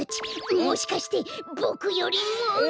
もしかしてボクよりも？